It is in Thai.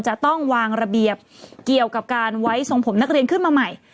จะต้องวางระเบียบเกี่ยวกับการไว้ทรงผมนักเรียนขึ้นมาใหม่